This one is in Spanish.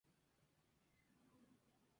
El foco está sobre la descentralización política.